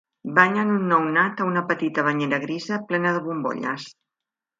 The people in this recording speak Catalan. Banyen un nounat a una petita banyera grisa plena de bombolles.